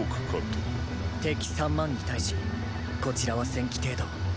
敵三万に対しこちらは千騎程度。